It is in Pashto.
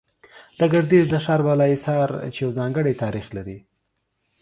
د ګردېز د ښار بالا حصار، چې يو ځانگړى تاريخ لري